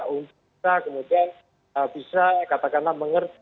untuk bisa kemudian bisa katakanlah mengerj